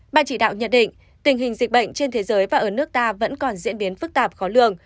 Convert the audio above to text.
ban chỉ đạo nhận định tình hình dịch bệnh trên thế giới và ở nước ta vẫn còn diễn biến phức tạp khó lường